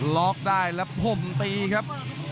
ล็อกได้แล้วผมตีครับ